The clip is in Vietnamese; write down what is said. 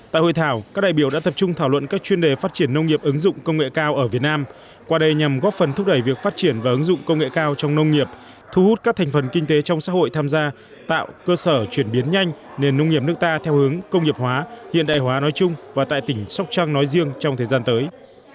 tại hội thảo các đại biểu đã tập trung thảo luận các chuyên đề phát triển nông nghiệp ứng dụng công nghệ cao ở việt nam qua đây nhằm góp phần thúc đẩy việc phát triển và ứng dụng công nghệ cao trong nông nghiệp thu hút các thành phần kinh tế trong xã hội tham gia tạo cơ sở chuyển biến nhanh nền nông nghiệp nước ta theo hướng công nghiệp hóa hiện đại hóa nói chung và tại tỉnh sóc trăng nói riêng trong thời gian tới